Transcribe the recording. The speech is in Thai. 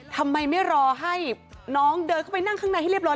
ทำไมไม่รอให้น้องเดินเข้าไปนั่งข้างในให้เรียบร้อ